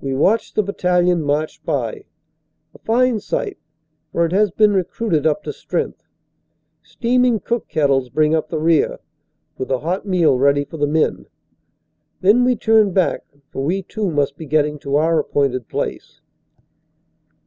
We watch the battalion march by, a fine sight, for it has been recruited up to strength. Steaming cook kettles bring up the rear, with a hot meal ready for the men. Then we turn back, for we too must be getting to our appointed place.